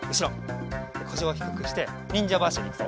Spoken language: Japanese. でこしをひくくしてにんじゃばしりいくぞ。